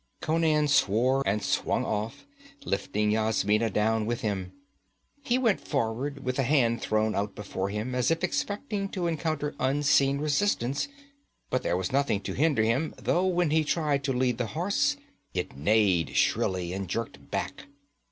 Conan swore and swung off, lifting Yasmina down with him. He went forward, with a hand thrown out before him as if expecting to encounter unseen resistance, but there was nothing to hinder him, though when he tried to lead the horse, it neighed shrilly and jerked back.